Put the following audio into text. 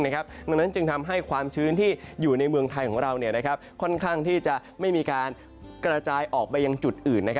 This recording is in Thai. ดังนั้นจึงทำให้ความชื้นที่อยู่ในเมืองไทยของเราค่อนข้างที่จะไม่มีการกระจายออกไปยังจุดอื่น